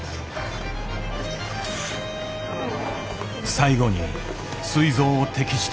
最後にすい臓を摘出した。